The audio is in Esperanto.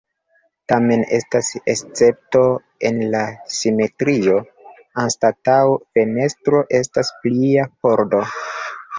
Tamen estas escepto en la simetrio, anstataŭ fenestro estas plia pordo.